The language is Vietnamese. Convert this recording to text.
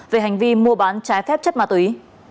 về hành vi mua bán trái phép chất ma túy